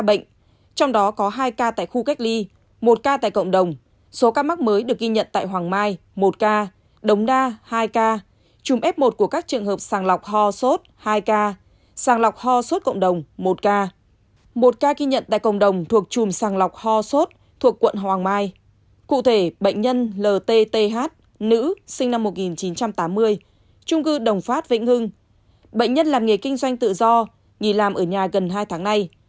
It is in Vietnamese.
bệnh nhân làm nghề kinh doanh tự do nghỉ làm ở nhà gần hai tháng nay